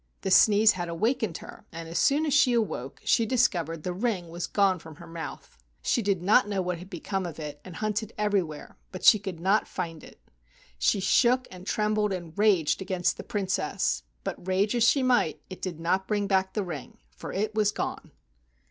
The sneeze had awakened her, and as soon as she awoke she discovered the ring was gone from her mouth. She did 57 THE WONDERFUL RING not know what had become of it and hunted everywhere, but she could not find it. She shook and trembled and raged against the Princess, but rage as she might, it did not bring back the ring, for it was gone.